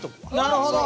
なるほど。